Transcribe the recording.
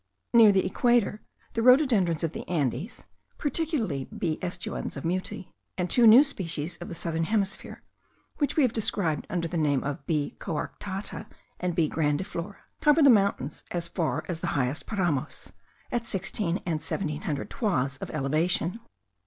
Near the equator the rhododendrons of the Andes (Particularly B. aestuans of Mutis, and two new species of the southern hemisphere, which we have described under the name of B. coarctata, and B. grandiflora.) cover the mountains as far as the highest paramos, at sixteen and seventeen hundred toises of elevation.